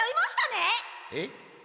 えっ？